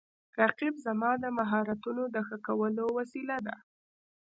رقیب زما د مهارتونو د ښه کولو وسیله ده